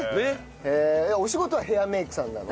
お仕事はヘアメイクさんなの？